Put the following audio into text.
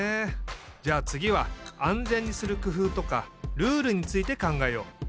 じゃあつぎはあんぜんにするくふうとかルールについて考えよう。